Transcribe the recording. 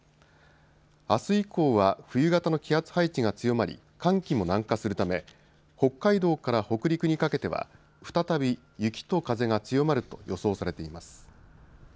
あす以降は冬型の気圧配置が強まり寒気も南下するため北海道から北陸にかけては再び雪と風が強まると予想されています。